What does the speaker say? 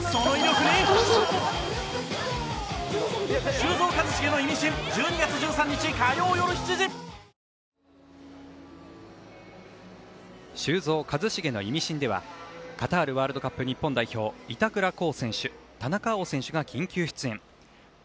「修造＆一茂のイミシン」ではカタールワールドカップ日本代表板倉選手、田中碧選手が緊急出演。